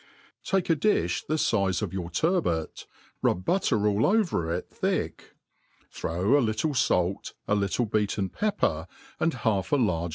TAltE a difli the fize of your turbot, rob butter ja!! oV6r \i • thick, throw a little fait, a Httle beaten pepper, and half a lar^ .